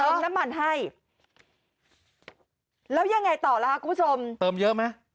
น้ำมันให้แล้วยังไงต่อล่ะค่ะคุณผู้ชมเติมเยอะไหม